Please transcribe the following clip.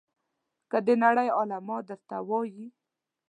که د نړۍ علما درته وایي.